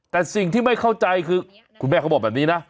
แต่สิ่งที่ไม่เข้าใจคือคุณแม่เขาบอกแบบนี้นะ